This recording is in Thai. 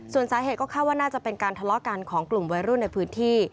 ส่วนสาเหตุก็คาดว่าน่าจะเป็นการทะเลาะกันของกลุ่มวัยรุ่นในพื้นที่